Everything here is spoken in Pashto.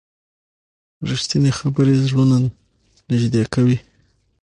رښتیني خبرې زړونه نږدې کوي.